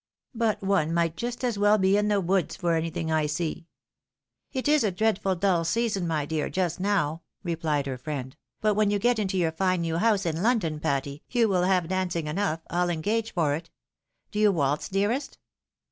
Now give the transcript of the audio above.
But one might just as well be in the woods for anything I see." "It is a dreadful dull season, my dear, just now," replied her friend; "but when you get into your fine new house in London, Patty, you will have dancing enough, PU engage for it. Do you waltz, dearest